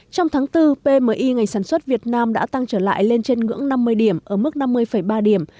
trong tháng bốn pmi ngành sản xuất việt nam đã tăng trở lại lên trên ngưỡng năm mươi điểm ở mức năm mươi ba điểm